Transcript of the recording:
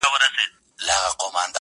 په دوږخ کي هم له تاسي نه خلاصېږو،،!